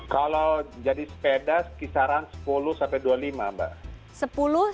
kalau jadi sepeda kisaran sepuluh sampai dua puluh lima mbak